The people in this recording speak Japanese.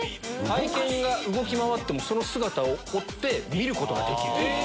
愛犬が動き回ってもその姿を追って見ることができる。